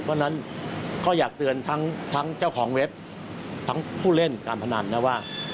เพราะฉะนั้นก็อยากเตือนทั้งเจ้าของเว็บทั้งผู้เล่นการพนันนะว่า